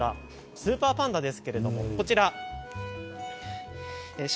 スーパーパンダです。